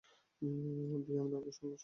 দুই, আমরা ওকে সঙ্গে নিয়ে যাই।